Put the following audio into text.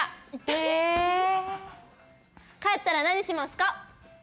へえ帰ったら何しますか？